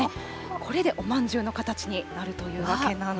これでおまんじゅうの形になるというわけなんです。